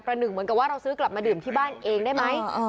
หนึ่งเหมือนกับว่าเราซื้อกลับมาดื่มที่บ้านเองได้ไหม